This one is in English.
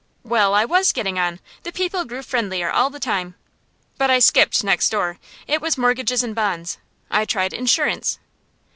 Well, I was getting on! The people grew friendlier all the time. But I skipped "next door"; it was "Mortgages and Bonds." I tried "Insurance."